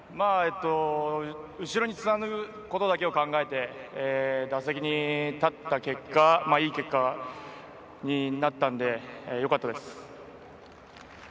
後ろにつなぐことだけを考えて打席に立った結果いい結果になったんでよかったです。